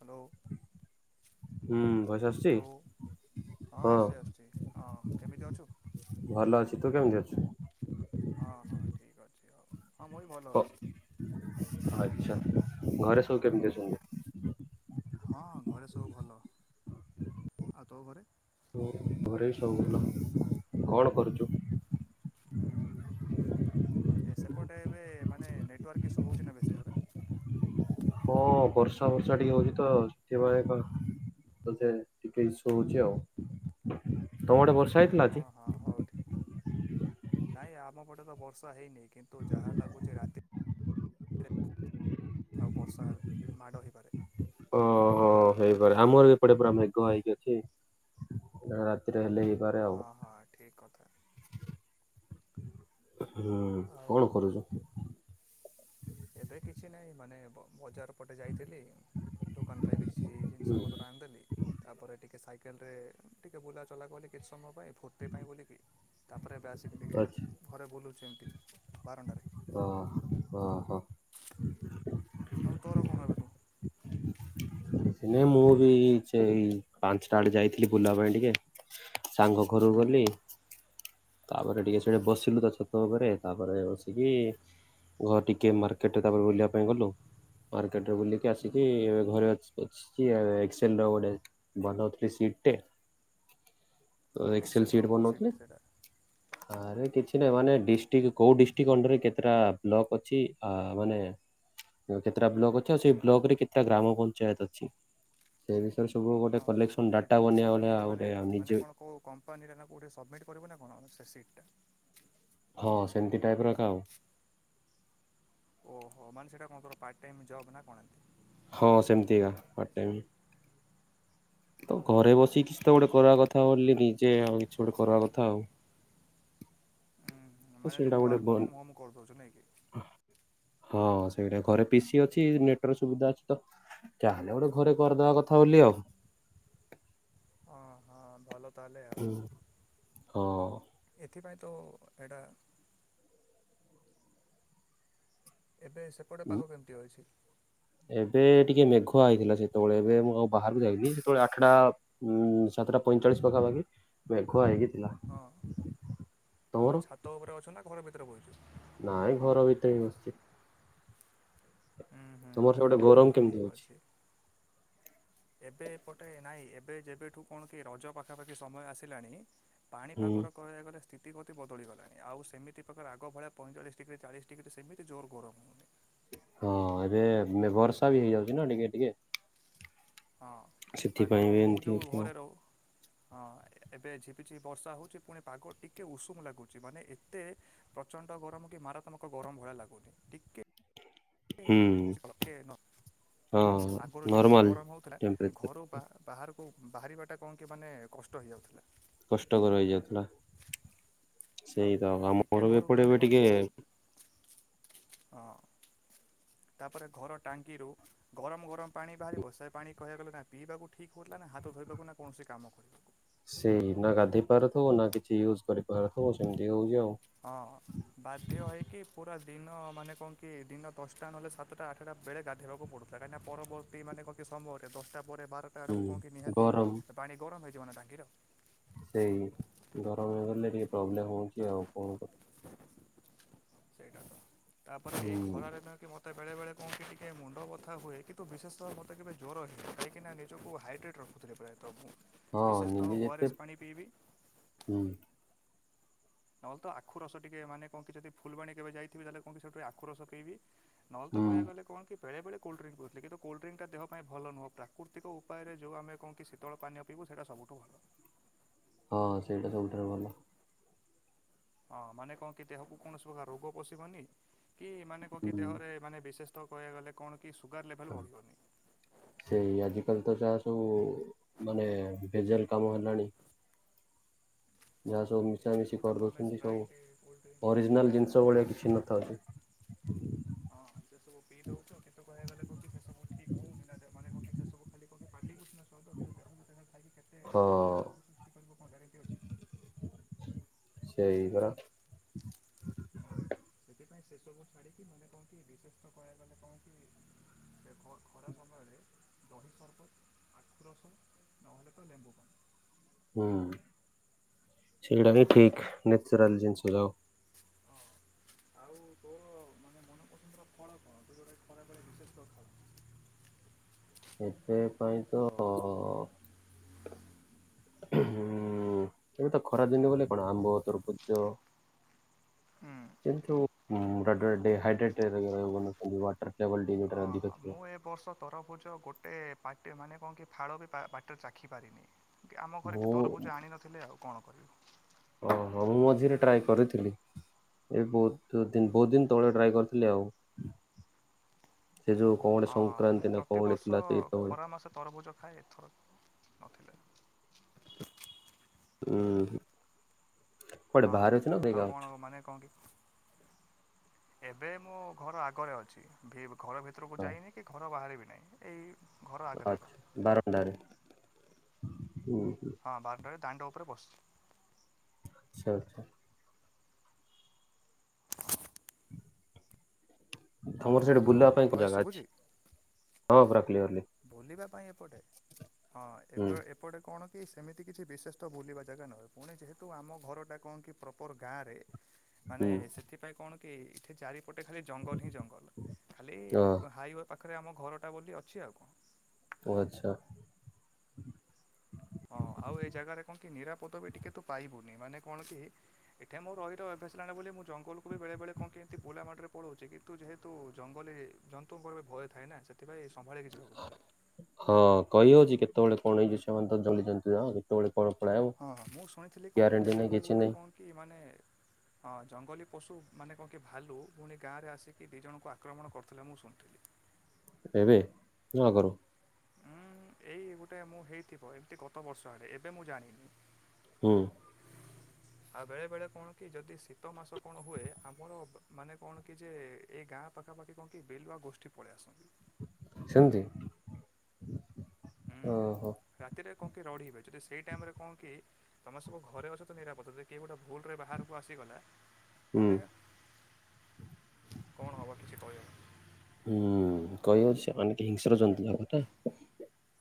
Hello. ହୁଁ। Voice ଆସୁଛି hello ହଁ ଆସୁଛି ଆସୁଛି ହଁ କେମିତି ଅଛୁ? ଭଲ ଅଛି ତୁ କେମିତି ଅଛୁ? ହଁ ହଁ ଠିକ ଅଛି ଆଉ। ଓ ଆଚ୍ଛା ଘରେ ସବୁ କେମିତି ଅଛନ୍ତି? ହଁ ଘରେ ସବୁ ଭଲ। ଆଉ ତୋ ଘରେ? ମୋ ଘରେ ସବୁ ଭଲ। କଣ କରୁଚୁ? ହୁଁ ହୁଁ ଏ ସେପଟେ ଏବେ ମାନେ ନେଟୱାର୍କ ଇସ୍ୟୁ ହଉଛି ନା ବେଶୀ ଜୋରେ। ହଁ ବର୍ଷା ଫର୍ଷା ଟିକେ ହଉଛି ତ ସେଥିପାଇଁ ପା ବୋଧେ ଟିକେ ଇସ୍ୟୁ ହଉଛି ଆଉ। ତମ ଆଡ଼େ ବର୍ଷ ର୍ଷା ହେଇଥିଲା ହଁ ଆଜି? ହଁ ହଉ ଠିକ୍ ନାଇଁ ଆମ ପଟେ ତ ବର୍ଷା ହେଇନି କିନ୍ତୁ ଯାହା ଲାଗୁଛି ରାତି ରେ ଆଉ ବର୍ଷା ମାଡ ହେଇପାରେ। ଓହୋ ହେଇପାରେ ଆମର ବି ଏପଟେ ପୁରା ମେଘ ହେଇକି ଅଛି। ରାତି ତିରେ ହେଲେ ହେଇପାରେ ହଁ ଆଉ। ହଁ ଠିକ୍ କଥା ହୁଁ କଣ ଆଉ କରୁଚୁ? ଏବେ କିଛି ନାହିଁ ମାନେ ବ ବଜାର ପଟେ ଯାଇଥିଲି ଦୋକାନ ପାଇଁ କି କିଛି ଜିନିଷ ପତ୍ର ଆଣିଦେଲି। ତାପରେ ଟିକେ ସାଇକେଲରେ ଟିକେ ବୁଲା ଚଲା କଲି କିଛି ସମୟ ପାଇଁ ଫୁର୍ତ୍ତି ପାଇଁ ବୋଲି କି ତାପ ପରେ ଏବେ ଆସିକି ଟିକେ ଆଛା ଘରେ ବୁଲୁଛି ଏମିତି ବାରଣ୍ଡାରେ। ଓହୋ ହଁ ହଁ। ଆଉ ତୋର କଣ ଏବେଠୁ? ନାଇଁ ମୁଁ ବି ସେଇ ପାଞ୍ଚଟା ଆଡେ ଯାଇଥିଲି ବୁଲିବା ପାଇଁ ଟିକେ ସାଙ୍ଗ ଘରୁକୁ ହୁଁ ଗଲି ତାପରେ ଟିକେ ସେଠେ ବସିଲୁ ତା ଛତ ଉପରେ ତାପରେ ବସିକି ଘର ଟିକେ ମାର୍କେଟ ତାପରେ ବୁଲିବା ପାଇଁ ଗଲୁ ପରେ ମାର୍କେଟରେ ବୁଲିକି ହୁଁ ଆସିକି ଘରେ ଅଛି। ଏକ୍ସଚିଆ ଏକ୍ସଲେର ଗୋଟେ ବନଉଥିଲି ସିଟ ଟେ। ତ ଏକ୍ସେଲ ଏକ୍ସେଲର ସିଟ କେଉଁ ସିଟ୍ ବନଉଥିଲି ସେଇଟା ଆରେ କିଛି ନାହିଁ ମାନେ ଡିଷ୍ଟ୍ରିକ୍ଟ କୋଉ ଡିଷ୍ଟ୍ରିକ୍ଟ ଅଣ୍ଡରରେ କେତେଟା ବ୍ଲକ ଅଛି ଆ ମାନେ କେତେଟା ବ୍ଲକ ଅଛି ଆଉ ସେଇ ବ୍ଲକ ରେ କେତେଟା ଗ୍ରାମ ପଞ୍ଚାୟତ ଅ ଛି ସେଇ ବିଷୟ ଓହୋ ନାଇଁ ତୁ କୋଉଠି ମାନେ ଗୋଟେ ନିଜେ ମାନେ କଣ କୋଉ କମ୍ପାନୀରେ ନା କୋଉଠି ସବମିଟ୍ କରିବୁ ନା କଣ ସେ ସିଟଟା? ହଁ ସେମିତି ଟାଇପର ଏଇକା ଆଉ। ଓହୋ ମାନେ ସେଇଟା କଣ ତୋର ପାର୍ଟ ଟାଇମ ଜବ୍ ନା କଣ ଏନ୍ତି? ହଁ ସେମିତିକା ପାର୍ଟ ଟାଇମ୍। ତ ଘରେ ଓହୋ ବସିକି କିଛି ତ ଗୋଟେ କରିଆ କଥା ବୋଲି ନିଜେ ଆଉ କିଛି ଗୋଟେ କରିବା କଥା ଆଉ। ଉଁ ତ ମାନେ ତୁ ସେଇଟା ଗୋଟେ ୱାର୍କ ବନ୍ ଫ୍ରମ ହୋମ କରିଦଉଛୁ ନାଇଁ କି? ହଁ ସେଇଟା ଘରେ ପିସି ଅଛି ନେଟ ର ସୁବିଧା ଅଛି ତ ଚାହଲେ ଗୋଟେ ଘରେ କରିଦବା କଥା ବୋଲି ଆଉ ଅ ହଁ ଭଲ ତାହଲେ ଆଉ ହୁଁ ହଁ। ଏଥିପାଇଁ ତୋ ଏଡ଼ା ଏବେ ସେପଟେ ପାଗ କେମିତି ଅଛି? ଏବେ ଟିକେ ମେଘୁଆ ହେଇଥିଲା ସେତେବେଳେ ଏବେ ମୁଁ ଆଉ ବାହାରକୁ ଯାଇଥିଲି ସେତେବେଳେ ଆଠଟା ଉ ସାତଟା ପଇଁଚାଳିଶ ପାଖାପାଖି ମେଘୁଆ ହେଇକି ଥିଲା ହଁ ଓ ତମର? ଛାତ ଉପରେ ଅଛ ନା ଘରେ ଭିତ [unintelligible] ନାଇଁ ଘର ଭିତରେ ବସିଛି। ହୁଁ ହୁଁ ତମର ସେପଟେ ହଉ ହଉ ଗରମ କେମିତି ଠିକ ହଉଛି? ଅଛି। ଏବେ ପଟେ ନାଇଁ ଏବେ ଯେବେଠୁ କଣ କି ରଜ ପାଖାପାଖି ସମୟ ଆସିଲାଣି ପାଣି ପାଗ ହୁଁ କହିବାକୁ ଗଲେ ସ୍ଥିତି ଗତି ବଦଳିଗଲାଣି ଆଉ ସେମିତି ପ୍ରକାର ଆଗ ଭଳିଆ ପଇଁଚାଳିଶ ଡିଗ୍ରୀ ଚାଳିଶ ଡିଗ୍ରୀ ସେମିତି ଜୋର ଗରମ ହେଉନି। ହଁ ଏବେ ବର୍ଷା ବି ହେଇଯାଉଛି ନା ଟିକେ ଟିକେ ହଁ ସେଥିପାଇଁ ଆଗରୁ ବି ମୁଁ ଏମିତି ଯେଉଁ ଅଛି ଆଉ ଘରେ ରହୁ ହଁ ଏବେ ଝିପି ଝିପି ବର୍ଷା ହଉଛି ପୁଣି ପାଗ ଟିକେ ଉଷୁମ ଲାଗୁଛି ମାନେ ଏତେ ପ୍ରଚଣ୍ଡ ଗରମ କି ମାରାତ୍ମକ ଗରମ ଭଳିଆ ଲାଗୁନି। ଟିକେ ହୁଁ। ହଁ ଆଗରୁ ଯେମିତି ନର୍ମାଲ ଗରମ ହଉଥିଲା ଟେମ୍ପରେଚର ଘର ବା ବାହାର ଉ ବାହାରିବାଟା କଣ କି ମାନେ କଷ୍ଟ ହେଇଯାଉଥିଲା। କଷ୍ଟକର ହେଇଯାଉଥିଲା। ସେଇ ଆଉ ତ ଟିକେ ଆମର ବି ଘରୁ ଏପଟେ ଗଲେ ଏବେ କହ ଟିକେ କି ହଁ ତାପରେ ଘର ଟାଙ୍କିରୁ ଗରମ ଗରମ ପାଣି ବାହାରିବ, ସେ ପାଣି କହିବାକୁ ଗଲେ ନା ପିଇବାକୁ ଠିକ ହଉଥିଲା ନା ହାତ ଧୋଇବାକୁ ନା କୌଣସି କାମ କରିବାକୁ। ସେଇ ନା ଗାଧୋଇ ପାରୁଥିବ ନା କିଛି ୟୁଜ କରିପାରୁଥିବ ସେମିତି ହଉଛି ଆଉ। ହଁ ବାଧ୍ୟ ହେଇକି ପୁରା ଦିନ ମାନେ କଣ କି ଦିନ ଦଶଟା ନହେଲେ ସାତଟା ଆଠଟା ବେଳେ ଗାଧୋଇବାକୁ ପଡୁଥିଲା କାହିଁକି ପରବର୍ତ୍ତୀ ମାନେ କଣ କି ସମୟରେ ଦଶଟା ପରେ ବାରଟା ହୁଁ ଆଡକୁ କଣକି ନିହାତି ଗରମ ପାଣି ଗରମ ହେଇ ଜୀବନା ଟାଙ୍କି ର ସେଇ ଗରମ ହେଇଗଲେ ଟିକେ ପ୍ରୋବ୍ଲେମ୍ ହେଉଛି ଆଉ କଣ କରିବି ସେଇଟା ତ ତାପରେ ଏଇ ହୁଁ ଖରାରେ ତମେ କି ମୋତେ ବେଳେବେଳେ କଣ କି ଟିକେ ମୁଣ୍ଡ ବଥା ହୁଏ। କିନ୍ତୁ ବିଶେଷତଃ ମୋତେ କେବେ ଜ୍ୱର ହେଇନି କାହିଁକି ନା ନିଜକୁ ହାଇଡ୍ରେଟ୍ ରଖୁଥିଲି ପ୍ରାୟତଃ ମୁଁ। ହଁ ବିଶେଷତଃ ନିଦେ ଓ ଆର୍ ଯେତେ ଏସ୍ ପାଣି ପିଇବି ହୁଁ ନହେଲେ ଆଖୁ ରସ ଟିକେ ମାନେ କଣକି ଯଦି ଫୁଲବାଣୀ କେବେ ଯାଇଥିବି ତାହେଲେ କଉଠି ସେଠି ଆଖୁ ରସ ଟିକେ ପିଇବି ନହେଲେ ତ ହୁଁ କହିବା ଗଲେ କଣ କି ବେଳେବେଳେ କୋଲ୍ଡଡ୍ରିଙ୍କ ପିଉଥିଲି କିନ୍ତୁ କୋଲ୍ଡଡ୍ରିଙ୍କଟା ଦେହ ପାଇଁ ଭଲ ନୁହଁ ପ୍ରାକୃତିକ ଉପାୟରେ ଯେଉଁ ଆମେ କଣ କି ଶୀତଳ ପାନୀୟ ପିଇବୁ ସେଇଟା ସବୁଠୁ ଭଲ। ହଁ ସେଇଟା ସବୁଠାରୁ ଭଲ। ହଁ ମାନେ କଣ କି ଦେହକୁ କୌଣସି ପ୍ରକାର ରୋଗ ପଶିବନି। କି ମାନେ କଣ କି ହୁଁ ଦେହରେ ମାନେ ବିଶେଷ କହିବା ଗଲେ କଣ କି ସୁଗାର ଲେଭେଲ୍ ବଢ଼ିବନି। ସେଇ ଆଜିିକାଲି ତ ଯାହା ସବୁ ମାନେ ତେଜଲ୍ କାମ ହେଲାଣି। ହଁ ଯାହା ସବୁ ଏଇ ଯେଉଁ ମିଶାମିଶି ଯେଉଁଟାକୁ ଆମେ କରିଦଉଛନ୍ତି ସବୁ ସ୍ପ୍ରାଇଟ୍ କୋଲ୍ଡ୍ରିଙ୍କ୍ ଅରିଜିନାଲ ଥଣ୍ଡା ଜିନିଷ ଭଳିଆ କିଛି ତାପରେ ନଥାଉ ଯେ। ହଁ ସେ ସବୁ ପିଇ ଦଉଛ କେତେ କହିବା ଗଲେ କହ କିି ସେ ସବୁ ଠିକ ହଉନି ମାନେ କଣ କିସେ ସବୁ ଖାଲି କି ପାଟିକୁ ସିନା ସୁଆଦ କିନ୍ତୁ ଦେହ ବି ଦେହ ଖାଇକି କେତେ ହଁ। ରୋଗ ସୃଷ୍ଟି କରିବ କଣ ଗ୍ୟାରେଣ୍ଟି ଅଛି। ସେଇ ପରା ସେଥିପାଇଁ ସେସବୁ ଛାଡ଼ିକି ମାନେ କହନ୍ତି ବିଶେଷତଃ କହିବାକୁ ଗଲେ କଣ କି ଖରା ସମୟରେ ଦହି ସରବତ ଆଖୁ ରସ ନହେଲେ ତ ଲେମ୍ବୁ ପାଣି। ହୁଁ ପାଣି ସେଇଟାକ ଠିକ ନେଚାରଲ ଜିନିଷ ଯାଅ। ହଁ ଆଉ ତୋର ମାନେ ମନପସନ୍ଦର ଖଳ କଣ ତୁ ଯୋଉଟେ ଖରା ବେଳେ ବିଶେଷ କ ଖାଉଛୁ। ଏଥି ପାଇଁ ତ ହଁ ଏବେ ତ ଖରା ଦିନବଲେ କଣ ଆମ୍ବ ତରବୁଜ ଖାଉ? କିୁାଇଡ୍ରେଟ ୱାଟର। ଲେବଲ ଟି ଯୋଉଟାରେ ହଁ, ଅଧିକ ଥିବ। ମୁଁ ଏ ବର୍ଷ ତରଫୁଜ ଗୋଟେ ପାର୍ଟି ମାନେ। କଣ କି ଫାଳ ବି ବାଟ ଚାଖିପାରିନି। ଆମ ଘରେ କେ ମୁଁ ତରଭୁଜ ଆଣି ନଥିଲେ ଆଉ କଣ ହଁ କରିବୁ। ମୁଁ ଟ୍ରାଏ କରିଥିଲି ଏ ବହୁ ହୁଁ, ବହୁତ ଦିନ ତଳେ ଟ୍ରାଏ କରିଥିଲି ଆଉ। ସେ ଯୋଉ କଣ ଗୋଟେ ହଁ ମୁଁ ସଂକ୍ରାନ୍ତି ନା କଣ ଗୋଟେ ଥିଲା ପ୍ରତିବର୍ଷ ସେଇ ତଳେ ଖରା ମାସ ତରଭୁଜ ଖାଏ ଏଥର ନଥିଲେ। ହୁଁ। ହଁ ଆଉ କଣ ମାନେ କଣ କେମିତି? ଏବେ ମୁଁ ଘର ଆଗରେ ଅଛି ଭେ ଘର ଭିତରକୁ ହଁ ଯାଇନି କି ଘର ବାହାରେ ବି ନାଇଁ ଏଇ ଘର ଆଗରେ ଏକା ଆଚ୍ଛା ବାରମୁଣ୍ଡାରେ। ହଁ ବାରଟାରେ। ଦାଣ୍ଡ ଉପରେ ବସିଛି। ଆଚ୍ଛା ଆଚ୍ଛା। ହଁ ତମର ସେଇଠି ହ୍ୟାଲୋ ବୁଲିବା ପାଇଁ କୋଉ ଭଏସ୍ ଜାଗା ଶୁଭୁଛି? ଅଛି ହଁ ପାର୍କ ବୁଲିବା ପାଇଁ ଏପଟେ ହଁ ହୁଁ ଏବେ ଏପଟେ। କଣ କି ସେମିତି କିଛି ବିଶେଷ ବୁଲିବା ଜାଗା ନୁହେ ପୁଣି ଯେହେତୁ ଆମ ଘରଟା କଣ କି ପ୍ରପର ଗାଁ ରେ। ହୁଁ ମାନେ ସେଥିପାଇଁ କଣ? କେ ଏଠି ଚାରି ଗୋଟେ ଖାଲି ଜଙ୍ଗଲ ହିଁ ଜଙ୍ଗଲ ଖାଲି ହଁ ହାଇ ପା ପାଖରେ ଆମ ଘରଟା ବୋଲି ଅଛି ଆଉ। କଣ। ଓ ଆଚ୍ଛା। ହଁ ଆଉ ଏଇ ଜାଗାରେ କଣ କି ନିରାପଦ ବି ଟିକେ ତୁ ପାଇବୁନି, ମାନେ କଣ କି ଏଠି ମୋର ରହିି ରହି ଅଭ୍ୟାସ ହେଲାଣି ବୋଲି ମୁଁ ଜଙ୍ଗଲକୁ ବି ବେଳେ ବେଳେ କଣ କି ଏମତି ବୋଲା ମାଟିରେ ପଳଉଛି, କିନ୍ତୁ ଯେହେତୁ ଜଙ୍ଗଲୀ ଜନ୍ତୁଙ୍କର ଭୟ ଥାଏ ନା ସେ ତେବେ ସମ୍ଭାଳିକି ଯିବାକୁ ପଡେ। ହଁ କହି ହଉଛି କେତେବେଳେ କଣ ହେଇଛି ସେମାନେ ତ ଜଲିଛନ୍ତି ଆ କେତେବେଳେ? କଣ ପଳାଇବ। ହଁ ହଁ ମୁଁ ଶୁଣିଥିଲି କଣ କି ଗ୍ୟାରେଣ୍ଟି କେବେ ନାହିଁ କୋଉ କିଛି ଗୋଟେ ନାହିଁ କଣ କି ମାନେ ହଁ ଜଙ୍ଗଲୀ ପଶୁ ମାନେ କଣ କି ଭାଲୁ ପୁଣି ଗାଁରେ ଆସିକି ଦିଇ ଜଣଙ୍କୁ ଆକ୍ରମଣ କରୁଥିଲେ ମୁଁ ଶୁଣିଥିଲି? ଏବେ ନା ଆଗରୁ? ଉମ ଏଇ ଗୋଟେ ମୁଁ ହେଇଥିବ ଏମିତି ଗତ ବର୍ଷ ଆଡେ ଏବେ ମୁଁ ଜାଣିନି। ହୁଁ। ଆଉ ବେଳେ ବେଳେ କଣ କି ଯଦି ଶୀତ ମାସ କଣ ହୁଏ ଆମର ମାନେ କଣ କି ଯେ ଏଇ ଗାଁ ପାଖାପାଖି କଣ କି ବିଲୁଆ ଗୋଷ୍ଠୀ ପଳେଇ ଆସନ୍ତି। ସେମିତି? ଓହୋ। ହୁଁ ରାତିରେ କଣ କି ରଢିବେ ଯଦି ସେଇ ଟାଇମରେ କନ କି? ତମେ ସବୁ ଘରେ ଅଛ ତ ନିରାପଦ ଯେ କେ ଗୋଟେ ଭୁଲ ରେ ବାହାରକୁ ଆସିଗଲା। ହୁଁ ତାହେଲେ କଣ ହବ କିଛି କହିହବନି। କହାଉଛି ଅନେକ ହିଂସ୍ର ଜନ୍ତୁଲା କଥା।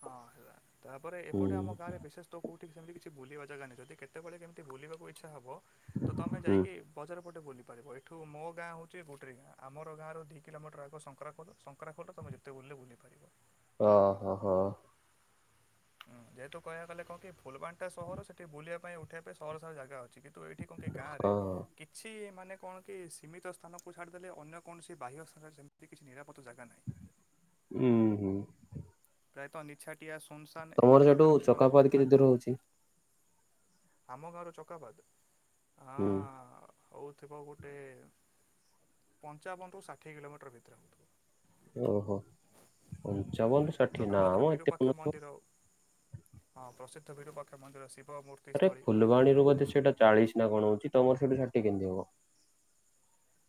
ହଁ ହେଲା ତାପରେ ଏପଟେ ଆମ ଗାଁରେ ବିଶେଷ ତ କୋଉ ସେମତି କିଛି ବୁଲିବା ଜାଗା ନାହିଁ, ଯଦି କେତେବେଳେ କେମିତି ବଲିବାକୁ ଇଚ୍ଛା ହବ ତ ତମେ ହୁଁ। ଯାଇକି ବଜାର ପୋଟେ ବୁଲି ପାରିବ ଏଠୁ ମୋ ଗାଁ ହଉଛି ଗୋଟେ ଦି କିଲୋମିଟର ଆମର ଗାଁ ର ଦି କିଲୋମିଟର ଆଗ ଶଙ୍କରାଖୋଲ, ଶଙ୍କରାଖୋଲ ତମେ ଯେତେ ବୁଲଲେ ବୁଲି ପାରିବ। ଓହୋ ହୋ। ହୁ ଯେହେତୁ କହିବାକୁ ଗଲେ କଣ କି ଫୁଲବାଣୀ ଟା ସହର ସେଠି ବୁଲିବା ପାଇଁ ଉଠେଇବା ପାଇଁ ସହର ସାରା ଜାଗା ଅଛି। କିନ୍ତୁ ଏଇଠି କନ୍ତି ଗାଁରେ ହଁ କିଛି ମାନେ କଣ କି ସୀମିତ ସ୍ଥାନକୁ ଛାଡିଦେଲେ ଅନ୍ୟ କୌଣସି ବାହ୍ୟ ସ୍ଥାନ ସେମତି କିଛି ନିରା ହୁଁ ହୁଁ। ପ୍ରାୟତଃ ନିଛାଟିଆ ସ୍ ତମର ସେଠୁ ଚକାପତି କେତେ ଦୂର ହଉଚି? ଆମ ଗାଁରୁ ଚକାପାଦ? ହୁଁ। ହଁ ହଉଥିବ ଗୋଟେ ପଞ୍ଚାବନ ରୁ ଷାଠିଏ କିଲୋମିଟର ଭିତରେ ହଉଥିବ। ଓହୋ ପଞ୍ଚାବନ ଷାଠିଏ ନା ଚକାପାଦର ମ୍ ଏତେ ବିରୁପାକ୍ଷ ହଉ ନଥିବା। ମନ୍ଦିର ହଁ ପ୍ରସିଦ୍ଧ ବିରୁପାକ୍ଷ ମନ୍ଦିର ସେ ଆରେ ଫୁଲବାଣୀରୁୁ ବୋଧେ ସେଇଟା ଚାଳିଶ ନା କଣ ହଉଛି? ତମର ସେଠୁ ଷାଠିଏ କେମତି ହବ?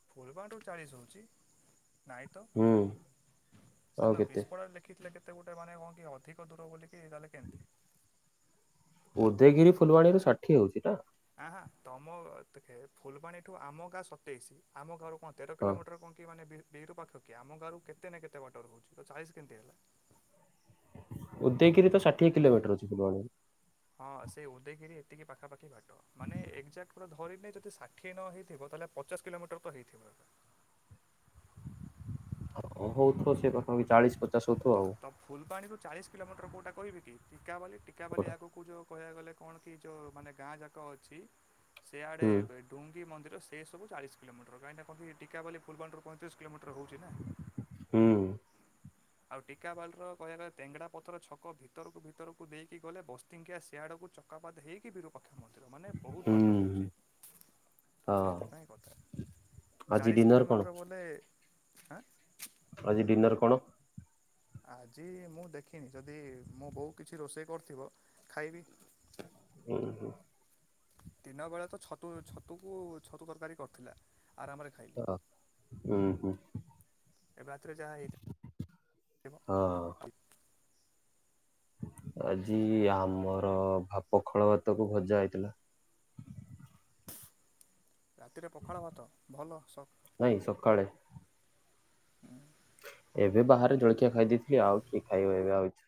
ଫୁଲ ବାଟ ଚାଳିଶ ହଉଛି। ନାଇଁ ତ ହୁଁ। ଆଉ ସେଦିନ କେତେ ବିସ୍ ପା ଲେଖ ଲେଖ। ଏତେ ଗୋଟେ ମାନେ କଣ କି ଅଧିକ ଦୂର ବୋଲିକି ତାହେଲେ କେମିତି। ଉଦୟଗିରି ଫୁଲବାଣୀ ଷାଠି ହଉଛିା ଆ ହ ତମ ଫୁଲବାଣୀଠୁ ଆମ ଗାଁ ସତେଇଶ ଆମ ଘାରକୁ ହଁ ତେର କିଲୋମଟର କଣ କି ମାନେ ବି ର ପାଖ କି ଆମ ଗାଁରୁ କେତେ ନା କେତେ ବଟର ହହୁଛି ତ ଚାଳିଶ କେମତି ହେଲା। ଉଦୟଗିରି ତ ଷାଠିଏ କିଲୋମିଟର ଅଛି ପିଲବେରେ ହଁ ସେ ଉଦୟଗିରି ଏତିକି ପାଖାପାଖି ଘଟି ା ପୁର ର ଯଦି ଷାଠିଏ ନ ହେଇଥିବ ତାହେଲେ ପଚାଶ କିଲୋମିଟର ତ ହେଇଥିବ ଏ ହ ହଉଥ ସେ ତଣ ଚାଳିଶ ପଚାଶ ହଉଥିବ ତ ଆଉ ତ ଫୁଲବାଣଣିରୁୁ ଚାଳିଶ କିଲୋମିଟର କୋଉଟା କ ବି ଚିଜ୍ ଟୀକାବାଲି ଟୀକାାବାଲି ଗୋଟେ ଆଗକୁ ଯେଉଁ କହିବା ଗଲେ। କଣ କି ଯୋଉ ମାନେ ଗାଁ ଯାକ ଅଛି। ସେଆଡେ ହୁଁ ଡୁଙ୍ଗି ମନ୍ଦିର ସେ ସବୁ ଚାଳି କୋମଟର କାହିଁି କ ଟିକାବାଲି ଫୁଲଣରୁ ପଁତିରି କିଲୋମଟର ଛି ନା ହୁଁ ଆଉ ଟିକା ବାଲ ର କହିବା ଗଲେ ତେଙ୍ଗଡା ପଥର ଛକ ଭିତରକୁ ଭିତରକୁ ଦେଇକି ଗଲେ ବସ୍ତିଙ୍କିଆ ସିଆଡକୁ ଚକାପାତ ହେଇକି ବିରପକ୍ଷ ମ। ମାନେ ବହୁତ ହୁଁ ବାଟ ହୁଁ ହଉଛି ହଁ ସେଇଥିପାଇଁ କଥା। ଆଜି ଚାଳିଶ ଡିନର କଣ କିଲୋମିଟର ବୋଲେ ଆଁ? ଆଜି ଡିନର କଣ? ଆଜି ମୁଁ ଦେଖିନି ଯଦି ମୋ ବୋଉ କିଛି ରୋଷେଇ କରିଥିବ ଖାଇବି। ହୁଁ ହୁଁ। ଦିନ ବେଳେ ତ ଛତୁ ଛତୁକୁ ଛତୁ ତରକାରୀ କରିଥିଲା। ଆରାମରେ ଖାଇଲି ହ ହୁଁ ହୁଁ। ସେ ଯାହା ହେଇଥିବ। ହଁ [unintelligible] [unintelligible] ଆଜି ଆମର ଭା ପଖାଳ ଭାତକୁ ଭଜା ହେଇଥିଲା। ରାତିରେ ପଖାଳ ଭାତ ଭଲ ସବୁ। ନାଇଁ ସକାଳେ ହୁଁ। ଏବେ ବାହାରେ ଜଳଖିଆ ଖାଇ ଦେଇଥିଲି ଆଉ କିଏ ଖାଇବ ଏବେ ଆଉ ଇଚ୍ଛା